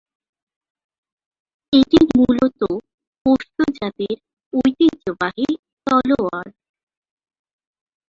এটি মূলত পশতু জাতির ঐতিহ্যবাহী তলোয়ার।